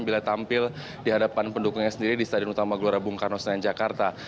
bila tampil di hadapan pendukungnya sendiri di stadion utama gelora bung karno senayan jakarta